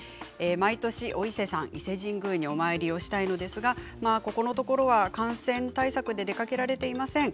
毎年お伊勢さん伊勢神宮にお参りをしたいんですがこのところは感染対策で出かけられていません。